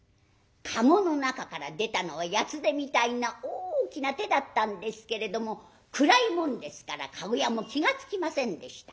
駕籠の中から出たのはヤツデみたいな大きな手だったんですけれども暗いもんですから駕籠屋も気が付きませんでした。